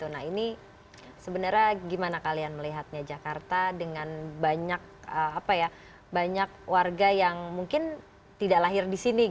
nah ini sebenarnya gimana kalian melihatnya jakarta dengan banyak warga yang mungkin tidak lahir di sini